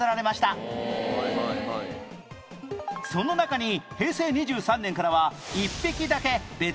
その中に平成２３年からは